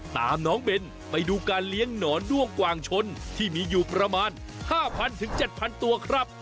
ตามน้องเบนไปดูการเลี้ยงหนอนด้วงกว่างชนที่มีอยู่ประมาณ๕๐๐๗๐๐ตัวครับ